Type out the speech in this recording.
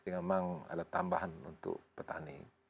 memang ada tambahan untuk petani